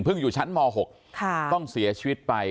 อยู่ชั้นม๖ต้องเสียชีวิตไป